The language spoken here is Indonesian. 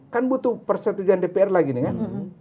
kan butuh persetujuan dpr lagi nih kan